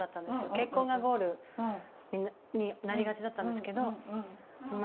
結婚がゴールになりがちだったんですけどホンマ